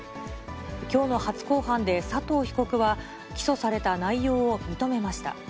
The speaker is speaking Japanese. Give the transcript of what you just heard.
きょうの初公判で佐藤被告は、起訴された内容を認めました。